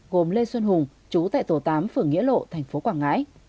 gồm lê xuân hùng chú tại tổ tám phường nghĩa lộ thành phố quảng ngãi